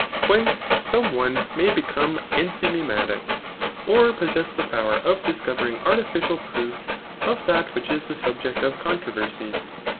¥!^«nice so«e one may become cutfiymaiMsic [or posseiss the power of dkcovermg artificial proofs of dm which is the subject of controversy].